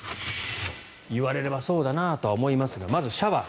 言われればそうだなと思いますがまず、シャワー。